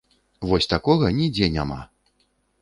Вось такога нідзе няма.